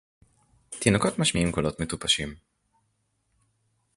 תינוקות משמיעים קולות מטופשים